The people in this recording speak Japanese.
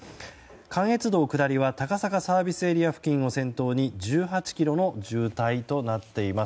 関越道下りは高坂ＳＡ付近を先頭に１８ｋｍの渋滞となっています。